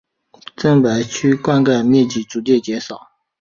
郑白渠灌溉面积逐渐减少。